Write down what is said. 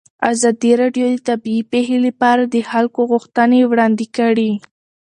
ازادي راډیو د طبیعي پېښې لپاره د خلکو غوښتنې وړاندې کړي.